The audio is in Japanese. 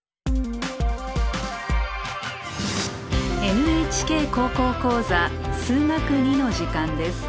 「ＮＨＫ高校講座数学Ⅱ」の時間です。